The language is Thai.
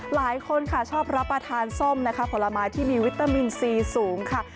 หลายคนค่ะชอบรับประทานส้มนะคะผลไม้ที่มีวิตามินซีสูงค่ะ